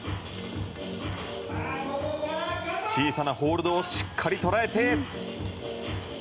小さなホールドをしっかり捉えて。